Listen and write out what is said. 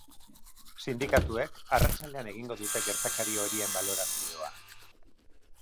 Sindikatuek arratsaldean egingo dute gertakari horien balorazioa.